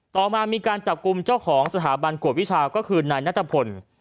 ต่อมามีการจับกลุ่มเจ้าของสถาบันกวดวิชาก็คือนายนัทพล